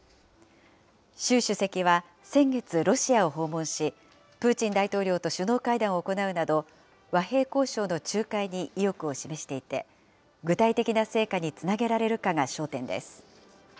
習主席は先月、ロシアを訪問し、プーチン大統領と首脳会談を行うなど、和平交渉の仲介に意欲を示していて、具体的な成果につなげられるかが焦点です。